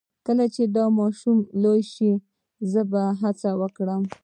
کله چې دا ماشوم را لوی شي زه به هڅه وکړم